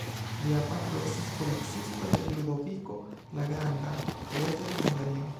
Lia patro estis kuracisto de Ludoviko, la granda, reĝo de Hungario.